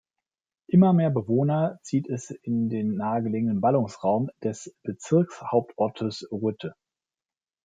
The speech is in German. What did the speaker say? Immer mehr Bewohner zieht es in den nahegelegenen Ballungsraum des Bezirkshauptortes Reutte.